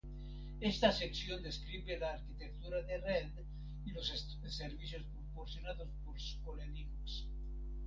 Esta sección describe la arquitectura de red y los servicios proporcionados por Skolelinux.